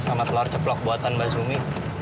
sama telor ceplok buatan mbak sumi